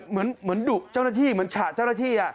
เหมือนดุเจ้าหน้าที่เหมือนฉะเจ้าหน้าที่